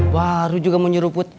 wah lo juga mau nyuruput